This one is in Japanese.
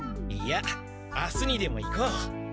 いや明日にでも行こう。